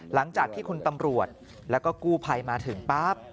หลังจากที่คุณตำรวจแล้วก็กู้ภัยมาถึงปั๊บ